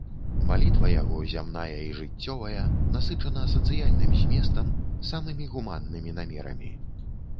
Малітва яго зямная і жыццёвая, насычаная сацыяльным зместам, самымі гуманнымі намерамі.